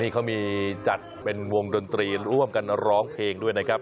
เขามีจัดเป็นวงดนตรีร่วมกันร้องเพลงด้วยนะครับ